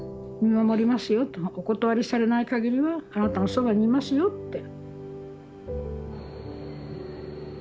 お断りされないかぎりはあなたのそばにいますよって。